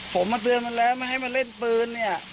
ผมมาเตือนมันแล้วไม่ให้มาเล่นปืนเนี่ย